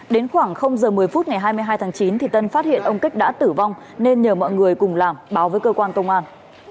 đến khoảng giờ một mươi phút ngày hai mươi hai tháng chín tân phát hiện ông kích đã tử vong nên nhờ mọi người cùng làm báo với cơ quan công an